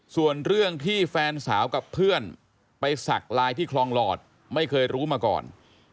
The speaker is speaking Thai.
ส่วนเรื่องที่แฟนสาวกับเพื่อนไปสักลายที่คลองหลอดไม่เคยรู้มาก่อน